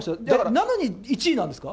なのに１位なんですか？